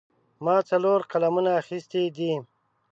ما څلور قلمونه اخیستي دي.